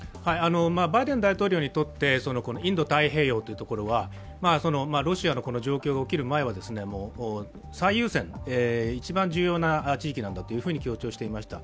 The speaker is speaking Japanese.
バイデン大統領にとって、インド太平洋というところはロシアの状況が起きる前は最優先、一番重要な地域なんだと強調していました。